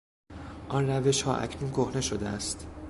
آن روشها اکنون کهنه شده است.